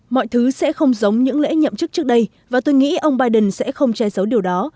mọi thứ sẽ không giống những lễ nhậm chức trước đây và tôi nghĩ ông biden sẽ không che giấu điều đó